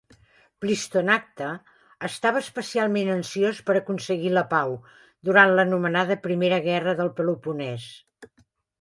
Plistoanacte estava especialment ansiós per aconseguir la pau, durant l"anomenada Primera Guerra del Peloponès..